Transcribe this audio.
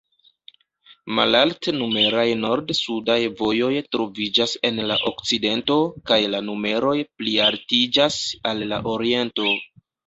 Malalt-numeraj nord-sudaj vojoj troviĝas en la okcidento, kaj la numeroj plialtiĝas al la oriento.